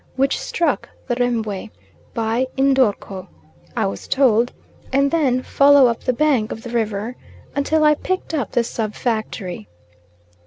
which struck the Rembwe by N'dorko, I was told, and then follow up the bank of the river until I picked up the sub factory.